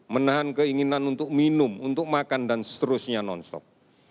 menahan keinginan untuk minum untuk makan dan seterusnya non stop